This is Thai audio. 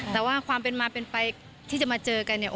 แต่ว่าความเป็นมาเป็นไปที่จะมาเจอกันเนี่ย